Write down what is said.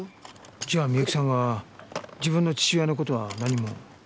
じゃあ美雪さんは自分の父親の事は何も？